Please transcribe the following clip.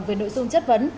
về nội dung chất vấn